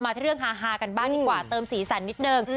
ที่เรื่องฮากันบ้างดีกว่าเติมสีสันนิดนึง